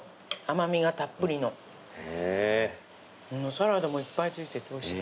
サラダもいっぱいついてておいしい。